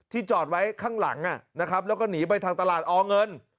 จอดไว้ข้างหลังนะครับแล้วก็หนีไปทางตลาดอเงิน